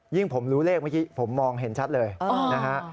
ผมรู้เลขเมื่อกี้ผมมองเห็นชัดเลยนะฮะ